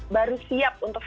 baru siap untuk